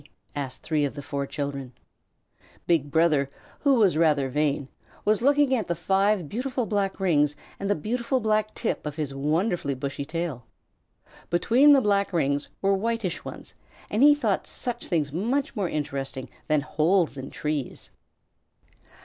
asked three of the four children. Big Brother, who was rather vain, was looking at the five beautiful black rings and the beautiful black tip of his wonderful bushy tail. Between the black rings were whitish ones, and he thought such things much more interesting than holes in trees.